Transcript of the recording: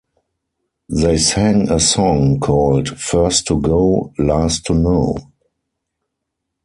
They sang a song called "First To Go - Last To Know".